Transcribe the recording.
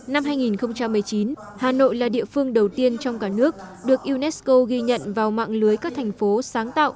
năm hai nghìn một mươi chín hà nội là địa phương đầu tiên trong cả nước được unesco ghi nhận vào mạng lưới các thành phố sáng tạo